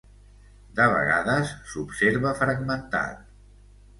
De vegades s’observa fragmentat.